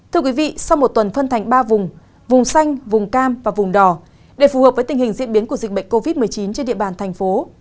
thưa quý vị sau một tuần phân thành ba vùng vùng xanh vùng cam và vùng đỏ để phù hợp với tình hình diễn biến của dịch bệnh covid một mươi chín trên địa bàn thành phố